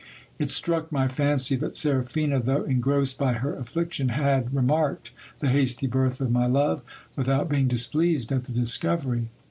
It struck my fancy that Seraphina, though engrossed by her affliction, had remarked the hasty birth of my love, without being displeased at the discovery.